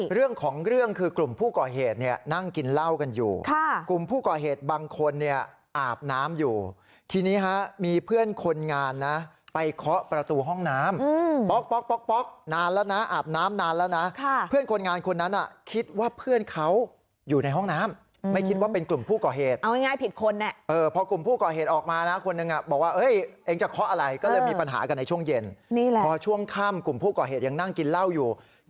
กลุ่มเรื่องคือกลุ่มผู้ก่อเหตุเนี่ยนั่งกินเหล้ากันอยู่ค่ะกลุ่มผู้ก่อเหตุบางคนเนี่ยอาบน้ำอยู่ทีนี้ฮะมีเพื่อนคนงานนะไปเคาะประตูห้องน้ำป๊อกป๊อกป๊อกป๊อกนานแล้วนะอาบน้ำนานแล้วนะค่ะเพื่อนคนงานคนนั้นน่ะคิดว่าเพื่อนเขาอยู่ในห้องน้ำไม่คิดว่าเป็นกลุ่มผู้ก่อเหตุเอาง่ายผิดคนเนี่ยเออพอกลุ่มผู้ก่อเหตุอ